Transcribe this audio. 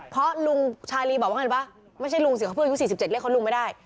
เพราะลุงชายลีบอกว่าเห็นป่ะไม่ใช่ลุงศิษย์เข้าพื้นยุ๔๗เรียกเขาลุงไม่ได้